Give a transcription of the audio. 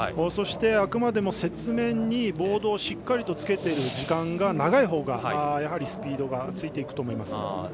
そしてあくまでも雪面にボードをしっかりつけている時間が長いほうが、やはりスピードがついていくと思います。